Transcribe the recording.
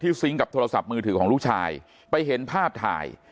ซิงค์กับโทรศัพท์มือถือของลูกชายไปเห็นภาพถ่าย